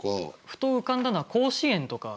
ふと浮かんだのは甲子園とか。